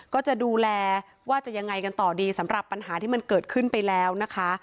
ก็จะดูแลว่าจะยังไงกันต่อดีสำหรับปัญหาที่มันเกิดขึ้นไปแล้วนะคะ